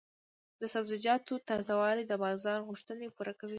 د سبزیجاتو تازه والي د بازار غوښتنې پوره کوي.